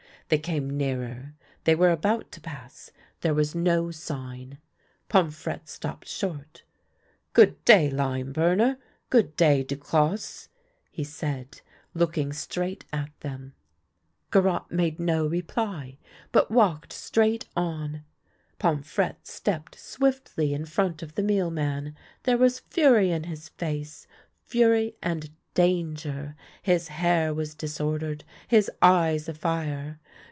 They came nearer ; they were about to pass ; there was no sign. Pomfrette stopped short. " Good day, lime burner ; good day, Duclosse," he said, looking straight at them. Garotte made no reply, but walked straight on. Pomfrette stepped swiftly in front of the mealman. There was fury in his face — fury and danger ; his hair was disordered, his eyes afire.